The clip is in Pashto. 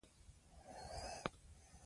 ملالۍ به بیا ناره کړې وه.